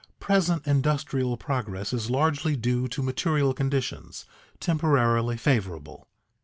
_Present industrial progress is largely due to material conditions, temporarily favorable.